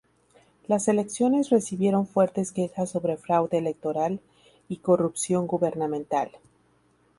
Las elecciones recibieron fuertes quejas sobre fraude electoral y corrupción gubernamental.